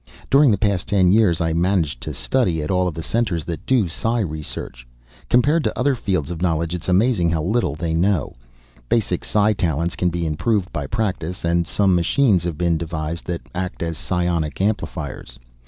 During the past ten years I managed to study at all of the centers that do psi research. Compared to other fields of knowledge it is amazing how little they know. Basic psi talents can be improved by practice, and some machines have been devised that act as psionic amplifiers.